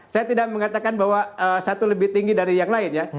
saya tidak mengatakan bahwa satu lebih tinggi dari yang lain ya